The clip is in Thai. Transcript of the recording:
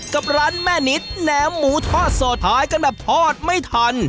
กับร้านแม่นิดแหนมหมูทอดโสดท้ายกันแบบทอดไม่ทัน